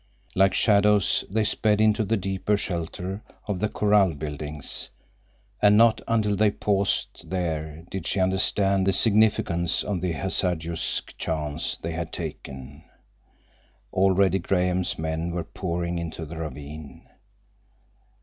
Like shadows they sped into the deeper shelter of the corral buildings, and not until they paused there did she understand the significance of the hazardous chance they had taken. Already Graham's men were pouring into the ravine.